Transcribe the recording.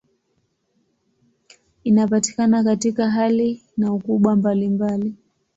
Inapatikana katika hali na ukubwa mbalimbali.